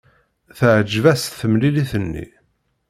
Teɛjeb-as temlilit-nni.